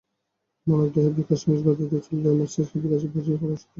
মানবদেহের বিকাশ নিজ গতিতে চললেও, মস্তিষ্কের বিকাশে প্রয়োজন পরামর্শদাতার পরামর্শ।